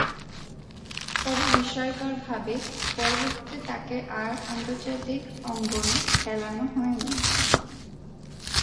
তবে, বিস্ময়করভাবে পরবর্তীতে আর তাকে আন্তর্জাতিক অঙ্গনে খেলানো হয়নি।